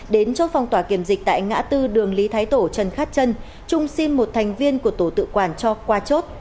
đến chốt phòng tỏa kiểm dịch tại ngã tư đường lý thái tổ trần khát trân trung xin một thành viên của tổ tự quản cho qua chốt